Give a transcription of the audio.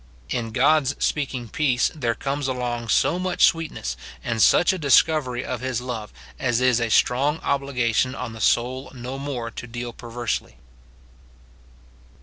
In God's speaking peace there comes along so much sweetness, and such a discovery of his love, as is a strong obliga tion on the soul no more to deal perversely.